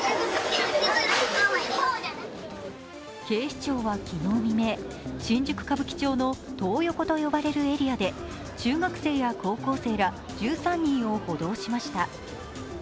警視庁は昨日未明、新宿・歌舞伎町のトー横と呼ばれるエリアで中学生や高校生ら１３人を補導しました。